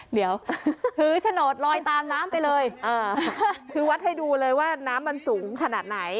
เดี๋ยวถือโฉนดลอยตามน้ำไปเลยคือวัดให้ดูเลยว่าน้ำมันสูงขนาดไหน